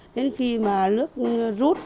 đến khi mà nước rút